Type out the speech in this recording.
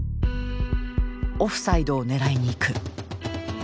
「オフサイドを狙いにいく」。